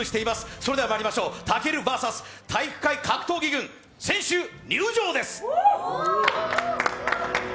それではまいりましょう、武尊ＶＳ体育会格闘技軍選手入場です！